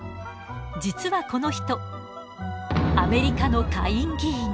実はこの人アメリカの下院議員。